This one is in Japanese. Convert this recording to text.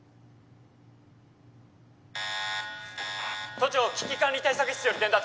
都庁危機管理対策室より伝達